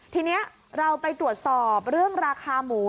ทีนี้เราไปตรวจสอบเรื่องราคาหมู